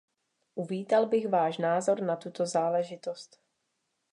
Uvítal bych váš názor na tuto záležitost.